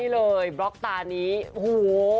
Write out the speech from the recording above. นี่เลยบล็อกตานี้โอ้โห